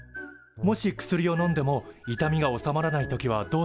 もし薬をのんでも痛みが治まらない時はどうすると思う？